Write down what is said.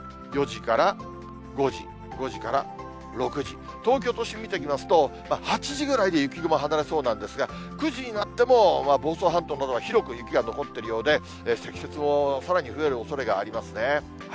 ４時から５時、５時から６時、東京都心見ていきますと、８時ぐらいで雪雲離れそうなんですが、９時になっても房総半島などは広く雪が残っているようで、積雪もさらに増えるおそれがありますね。